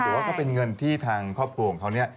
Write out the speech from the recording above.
ว่าก็เป็นเงินที่ทางครอบครัวของเขาเนี่ย